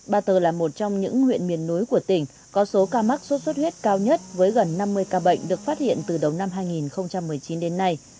ba tờ là một trong những huyện miền núi của tỉnh có số ca mắc sốt xuất huyết cao nhất với gần năm mươi ca bệnh được phát hiện từ đầu năm hai nghìn một mươi chín đến nay